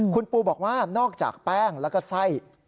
คุณปูบอกว่านอกจากแป้งแล้วก็ไส้